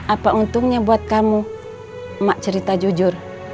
apa untungnya buat kamu mak cerita jujur